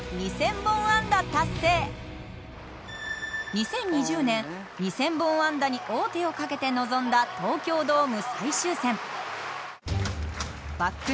２０２０年２０００本安打に王手をかけて臨んだ東京ドーム最終戦。